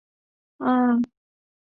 这两个音本质上行使导音的功能。